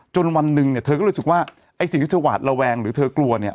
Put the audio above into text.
วันหนึ่งเนี่ยเธอก็รู้สึกว่าไอ้สิ่งที่เธอหวาดระแวงหรือเธอกลัวเนี่ย